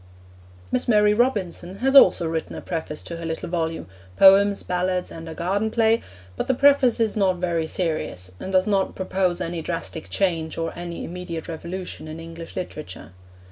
Miss Mary Robinson has also written a preface to her little volume, Poems, Ballads, and a Garden Play, but the preface is not very serious, and does not propose any drastic change or any immediate revolution in English literature.